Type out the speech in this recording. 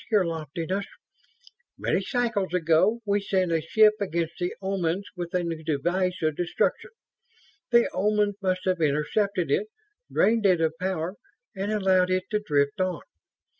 "Yes, Your Loftiness. Many cycles ago we sent a ship against the Omans with a new device of destruction. The Omans must have intercepted it, drained it of power and allowed it to drift on.